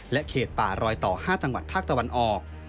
เขตป่ารอยต่อ๕จังหวัดภาคตะวันออก